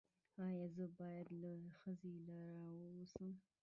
ایا زه باید له ښځې لرې اوسم؟